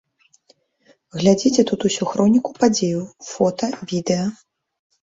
Глядзіце тут усю хроніку падзеяў, фота, відэа.